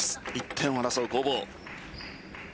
１点を争う攻防。